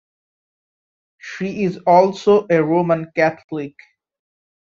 She is also a Roman Catholic.